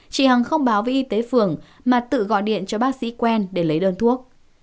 chị hằng không báo với y tế phường mà tự gọi điện cho bác sĩ quen để lấy đơn thuốc